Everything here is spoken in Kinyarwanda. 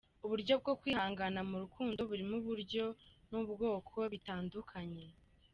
Uburyo bwo kwihangana mu rukundo burimo uburyo n’ubwoko bitandukanye:.